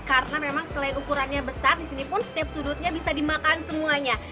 karena memang selain ukurannya besar disini pun setiap sudutnya bisa dimakan semuanya